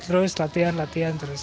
terus latihan latihan terus